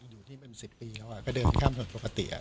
อยู่ที่เป็นสิบปีแล้วอ่ะก็เดินข้ามส่วนประปัติอ่ะ